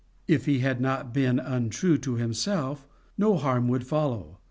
If he had not been untrue to himself, no harm would follow.